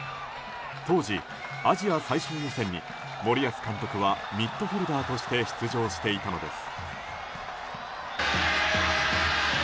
当時、アジア最終予選に森保監督はミッドフィールダーとして出場していたのです。